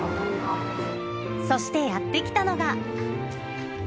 そしてやってきたのが。